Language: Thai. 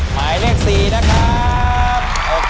หมายเลข๔นะครับ